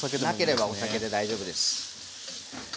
なければお酒で大丈夫です。